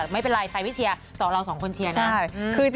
ไม่เป็นไรไทยไม่เชียร์๒เราสองคนเชียร์นะ